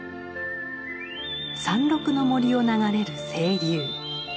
山麓の森を流れる清流。